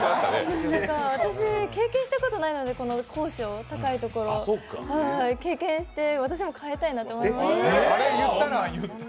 私、経験したことないので高所、経験して、私も変えたいなと思います。